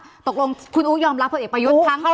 แค่ตกลงคุณอุ๊ยยอมรักผู้เอกประยุทธ์ทั้งตอน